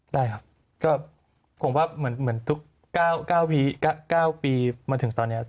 ได้ครับก็ผมว่าเหมือนทุก๙ปีมาถึงตอนนี้